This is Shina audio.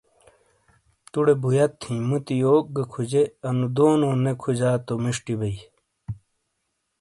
توڈے بویت ہی موتی یوک گہ کھوجے انو دونو نے کھوجا تو میشٹی بئی۔